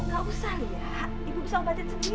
gak usah lihat ibu bisa batin sendiri